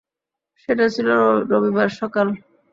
সেটা ছিল রবিবার সকাল।